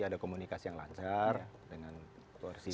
ada komunikasi yang lancar dengan kursi